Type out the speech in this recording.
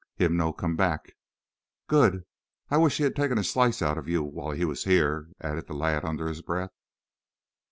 "Him no come back." "Good. I wish he had taken a slice out of you while he was here," added the lad under his breath.